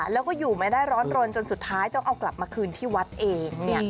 แล้วก็อยู่ไม่ได้ร้อนรนจนสุดท้ายต้องเอากลับมาคืนที่วัดเอง